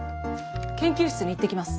研究室に行ってきます。